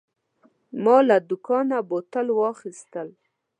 ما له دوکانه بوتان واخیستل.